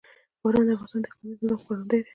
باران د افغانستان د اقلیمي نظام ښکارندوی ده.